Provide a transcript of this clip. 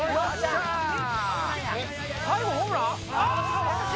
最後ホームラン？